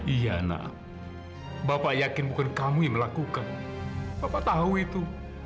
iya nak bapak yakin bukan kamu yang melakukan bapak tahu itu